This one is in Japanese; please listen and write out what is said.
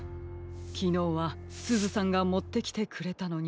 きのうはすずさんがもってきてくれたのに。